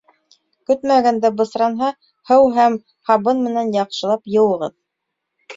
Көтмәгәндә бысранһа, һыу һәм һабын менән яҡшылап йыуығыҙ.